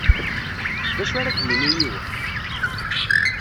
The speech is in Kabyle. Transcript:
D acu ara d-yini yiwen?